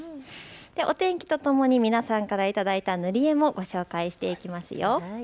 お天気とともに皆さんからいただいた塗り絵もご紹介していきます。